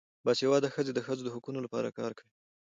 باسواده ښځې د ښځو د حقونو لپاره کار کوي.